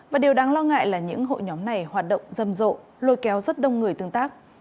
và điều đáng lo ngại là những hội nhóm này hoạt động dâm rộ lôi kéo rất đông người tương tác